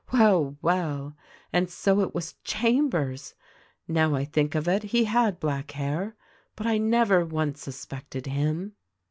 Well, well ! And so it was Chambers ! Now, I think of it he had black hair ; but I never once suspected him."